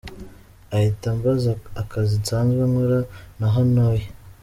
Ahita ambaza akazi nsanzwe nkora n’aho ntuye.